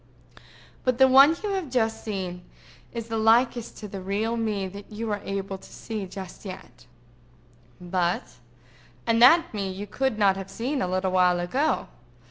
"But the one you have just seen is the likest to the real me that you are able to see just yet—but—. And that me you could not have seen a little while ago.